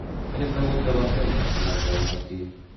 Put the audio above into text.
Quina pregunta va fer un personatge al Martí?